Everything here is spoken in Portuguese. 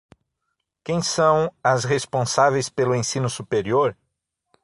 Quem são as responsáveis pelo ensino superior?